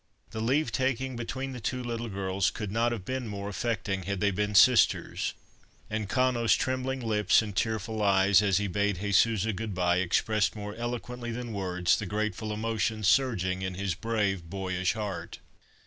The leave taking between the two little girls could not have been more affecting had they been sisters, and Cano's trembling lips and tearful eyes as he bade Jesusa good bye expressed more eloquently than words the grateful emotions surging in his brave boyish heart.